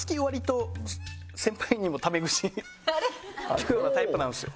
利くようなタイプなんですよ。